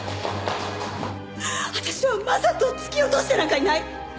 私は将人を突き落としてなんかいない。